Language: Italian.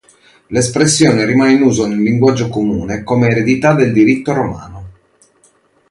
L'espressione rimane in uso nel linguaggio comune come eredità del diritto romano.